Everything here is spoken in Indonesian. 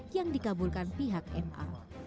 yang dikabulkan pihak ma